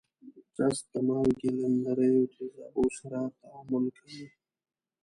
جست د مالګې له نریو تیزابو سره تعامل کوي.